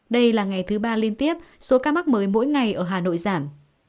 đây là ngày thứ ba liên tiếp số ca mắc mới mỗi ngày ở hà nội giảm